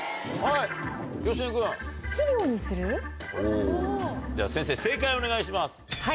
おじゃあ先生正解をお願いします。